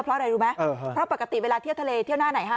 เพราะอะไรรู้ไหมเพราะปกติเวลาเที่ยวทะเลเที่ยวหน้าไหนฮะ